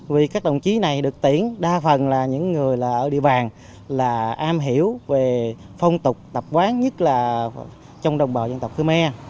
vì các đồng chí này được tiễn đa phần là những người ở địa bàn là am hiểu về phong tục tập quán nhất là trong đồng bào dân tộc khmer